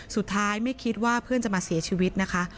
สุดท้ายไม่คิดว่าเพื่อนจะมาเสียชีวิตนะคะ